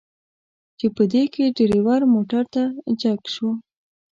چې په دې کې ډریور موټر ته را جګ شو.